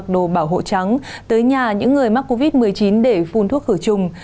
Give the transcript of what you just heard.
đồ bảo hộ trắng tới nhà những người mắc covid một mươi chín để phun thuốc khử trùng